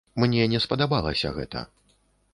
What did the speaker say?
Мне не спадабалася гэта.